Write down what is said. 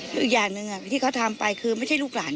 คือเค้าไม่พอใจอยู่แล้ว